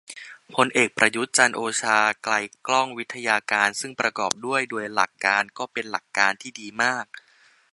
พลเอกประยุทธ์ จันทร์โอชา ไกลก้อง ไวทยการ ซึ่งประกอบด้วย โดยหลักการ ก็เป็นหลักการที่ดีมาก